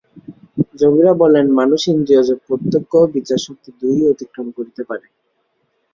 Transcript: যোগীরা বলেন, মানুষ ইন্দ্রিয়জ প্রত্যক্ষ ও বিচারশক্তি দুই-ই অতিক্রম করিতে পারে।